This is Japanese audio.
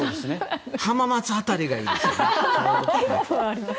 浜松辺りがいいですね。